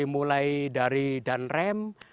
mulai dari danrem